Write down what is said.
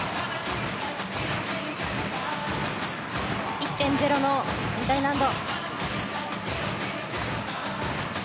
１．０の身体難度。